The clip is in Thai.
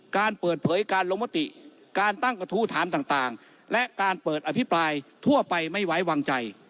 การเปิดเผยการลงมติการตั้งกระทู้ถามต่างและการเปิดอภิปรายทั่วไปไม่ไว้วางใจ